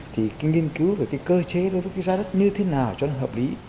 thì cái nghiên cứu về cái cơ chế đối với cái giá đất như thế nào cho nó hợp lý